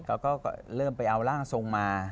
เขาก็เริ่มไปเอาร่างทรงมา